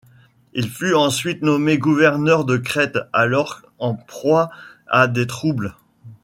Il fut ensuite nommé gouverneur de Crète, alors en proie à des troubles.